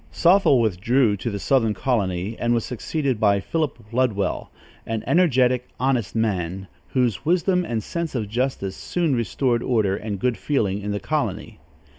Sothel withdrew to the southern colony, and was succeeded by Philip Ludwell, an energetic, honest man, whose wisdom and sense of justice soon restored order and good feeling in the colony.